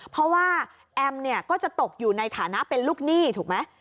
เพราะว่าแอมเนี่ยก็จะตกอยู่ในฐานะเป็นลูกหนี้ถูกไหม